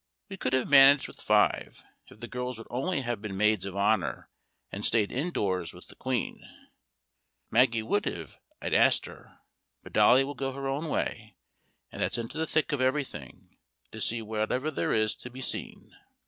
We could have managed with five, if the girls would only have been Maids of Honour, and stayed indoors with the Queen. Maggie would if I'd asked her; but Dolly will go her own way, and that's into the thick of everything, to see whatever there is to be seen.